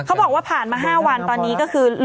เขาบอกว่าผ่านมา๕วันตอนนี้ก็คือ